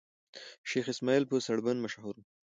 شېخ اسماعیل په سړبني مشهور وو.